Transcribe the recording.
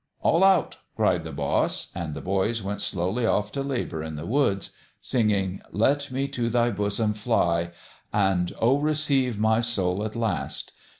" All out !" cried the boss ; and the boys went slowly off to labour in the woods, singing, Let me to Thy bosom fly ! and, Oh, re ceive my soul at last